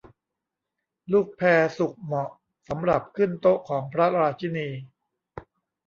ลูกแพร์สุกเหมาะสำหรับขึ้นโต๊ะของพระราชินี